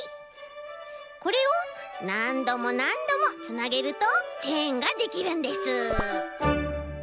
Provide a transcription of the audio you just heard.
これをなんどもなんどもつなげるとチェーンができるんです。